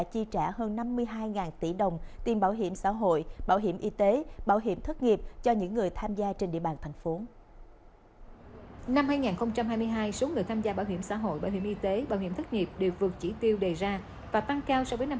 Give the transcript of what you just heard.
hơn hai năm triệu người tham gia bảo hiểm thất nghiệp tăng một mươi hai bảy mươi ba so với năm hai nghìn hai mươi một